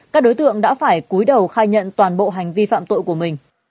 các đối tượng đã phải cuối đầu khai nhận toàn bộ hành vi phạm tội của mình